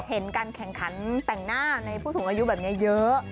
เห็นการแข่งขันแต่งหน้าในผู้สูงอายุแบบนี้เยอะ